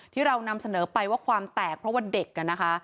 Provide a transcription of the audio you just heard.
ที่เรานำเสนอไปว่าความแตกเพราะว่าเด็กนะคะ